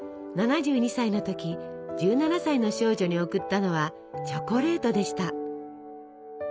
７２歳の時１７歳の少女に贈ったのはチョコレートでした。